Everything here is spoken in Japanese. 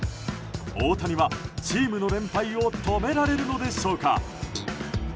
大谷はチームの連敗を止められるのでしょうか。